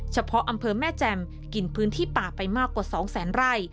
เฉพาะอำเภอแม่แจ่มกินพื้นที่ป่าไปมากกว่า๒แสนไร่